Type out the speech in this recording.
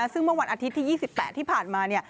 ซึ่งเมื่อวันอาทิตย์ที่๒๘ที่ผ่านมา